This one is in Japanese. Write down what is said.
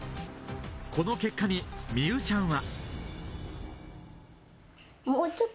この結果に美羽ちゃんは。